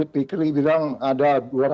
p kri bilang ada dua ratus sepuluh